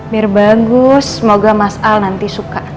biar bagus semoga mas al nanti suka